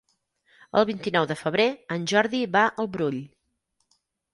El vint-i-nou de febrer en Jordi va al Brull.